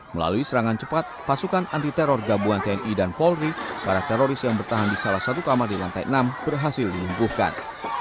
melalui serangan cepat pasukan anti teror gabungan tni dan polri para teroris yang bertahan di salah satu kamar di lantai enam berhasil dilumpuhkan